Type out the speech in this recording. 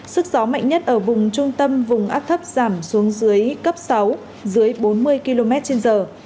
sức gió mạnh nhất ở vùng trung tâm vùng áp thấp giảm xuống dưới cấp sáu dưới bốn mươi km trên giờ